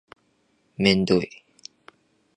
めんどい